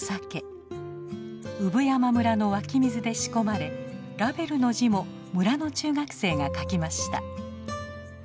産山村の湧き水で仕込まれラベルの字も村の中学生が書きました。